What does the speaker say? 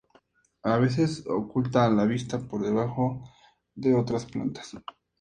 A veces crece oculta a la vista por debajo de otras plantas.